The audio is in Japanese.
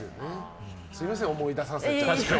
すみません、思い出させて。